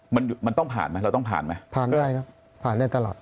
มันมันต้องผ่านไหมเราต้องผ่านไหมผ่านได้ครับผ่านได้ตลอด